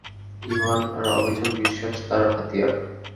ঈমান আর অবিচল বিশ্বাস তাঁর হাতিয়ার।